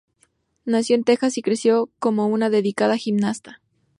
Nació en Texas y creció como una dedicada gimnasta.